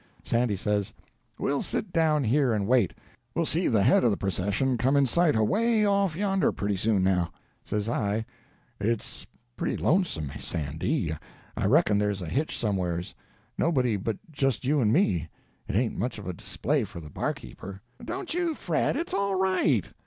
Sandy says,— "We'll sit down here and wait. We'll see the head of the procession come in sight away off yonder pretty soon, now." Says I,— "It's pretty lonesome, Sandy; I reckon there's a hitch somewheres. Nobody but just you and me—it ain't much of a display for the barkeeper." "Don't you fret, it's all right.